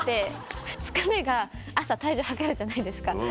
２日目が朝体重量るじゃないですか。